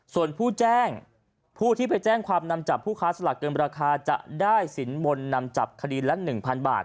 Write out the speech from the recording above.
ส่วนผู้แจ้งผู้ที่ไปแจ้งความนำจับผู้ค้าสลากเกินราคาจะได้สินมนต์นำจับคดีละ๑๐๐บาท